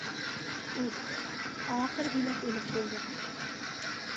ئۇھ... ئاخىرى بېلەت ئېلىپ بولدۇق.